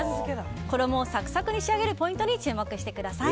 衣をサクサクに仕上げるポイントに注目してください。